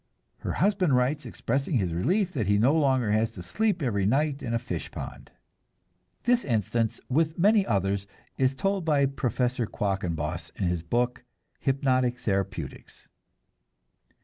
Her husband writes, expressing his relief that he no longer has to "sleep every night in a fish pond." This instance with many others is told by Professor Quackenbos in his book, "Hypnotic Therapeutics."